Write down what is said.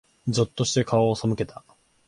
ぞっとして、顔を背けた。